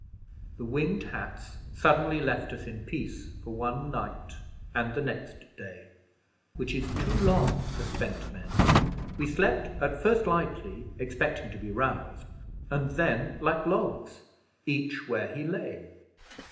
The Winged Hats suddenly left us in peace for one night and the next day; which is too long for spent men. We slept at first lightly, expecting to be roused, and then like logs, each where he lay.